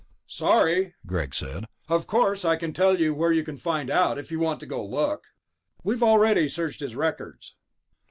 "Sorry," Greg said. "Of course, I can tell you where you can find out, if you want to go look." "We've already searched his records...."